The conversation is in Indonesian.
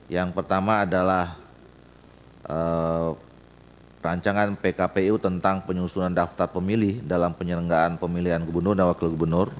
yang pertama adalah rancangan pkpu tentang penyusunan daftar pemilih dalam penyelenggaraan pemilihan gubernur dan wakil gubernur